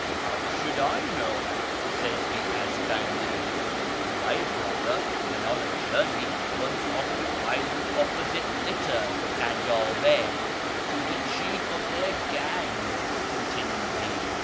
' How should I know ?' says tlie Azghandi. ' My brother wdien on a journey once occupied the opposite litter (kojdvd) to the chief of their gang,' continued he.